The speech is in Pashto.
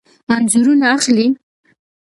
انځورونه اخلئ؟